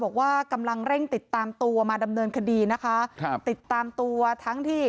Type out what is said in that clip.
บอกว่ากำลังเร่งติดตามตัวมาดำเนินคดีนะคะครับติดตามตัวทั้งที่